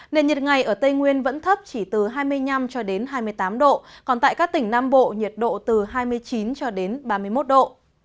nền nhiệt ngày ở tây nguyên vẫn thấp chỉ từ hai mươi năm cho đến hai mươi tám độ còn tại các tỉnh nam bộ nhiệt độ từ hai mươi chín cho đến ba mươi một độ